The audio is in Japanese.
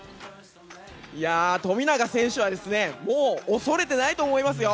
富永選手は恐れていないと思いますよ。